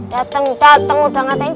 dateng dateng udah ngatain